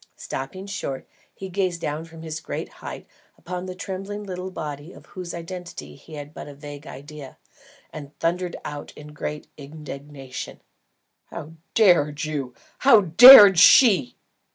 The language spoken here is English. Stopping short, he gazed down from his great height upon the trembling little body of whose identity he had but a vague idea, and thundered out in great indignation: "How dared you! How dared she!"